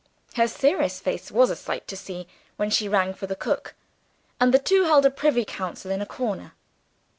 Her serious face was a sight to see, when she rang for the cook, and the two held a privy council in a corner.